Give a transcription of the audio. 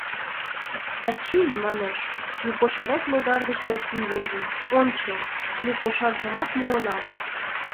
— Ачий, манеш, лу кошарет логар гыч лектын возын: ончо, лу кошаржымат муынам.